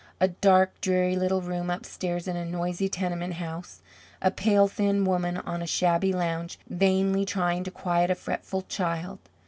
A dark dreary little room upstairs in a noisy tenement house. A pale, thin woman on a shabby lounge vainly trying to quiet a fretful child.